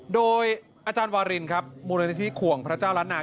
โดยอาจารย์วารินครับมูลนิธิขวงพระเจ้าล้านนา